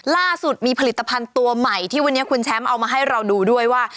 ล่าสุดมีผลิตภัณฑ์ตัวใหม่ที่วันนี้คุณแชมป์เอามาให้เราดูด้วยว่า